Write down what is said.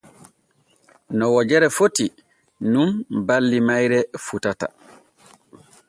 No wojere foti nun balli mayre fotata.